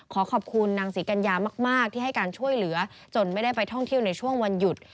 ขอขอบคุณนางศรีกัญญามากที่ให้การช่วยเหลือจนไม่ได้ไปท่องเที่ยวในช่วงวันหยุด